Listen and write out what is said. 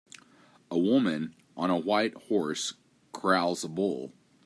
A woman on a white horse corrals a bull.